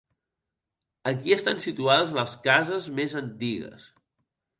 Aquí estan situades les cases més antigues.